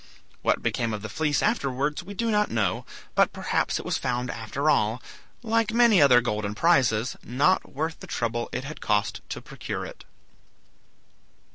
What became of the fleece afterwards we do not know, but perhaps it was found after all, like many other golden prizes, not worth the trouble it had cost to procure it.